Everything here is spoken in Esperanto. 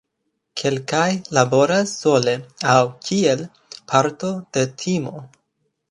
Kelkaj laboras sole aŭ kiel parto de teamo.